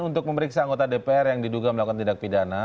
untuk memeriksa anggota dpr yang diduga melakukan tindak pidana